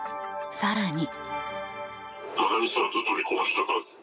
更に。